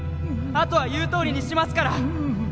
あとは言うとおりにしますから！